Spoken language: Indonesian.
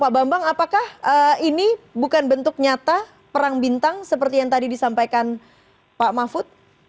pak bambang apakah ini bukan bentuk nyata perang bintang seperti yang tadi disampaikan pak mahfud